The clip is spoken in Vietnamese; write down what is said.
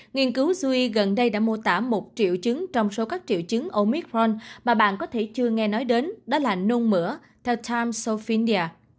nghiên cứu zui gần đây đã mô tả một triệu chứng trong số các triệu chứng omicron mà bạn có thể chưa nghe nói đến đó là nôn mỡ theo times of india